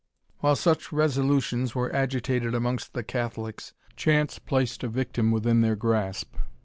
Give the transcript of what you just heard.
While such resolutions were agitated amongst the Catholics, chance placed a victim within their grasp.